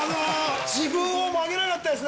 自分を曲げなかったですね。